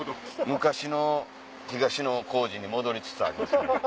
昔の東野幸治に戻りつつあります。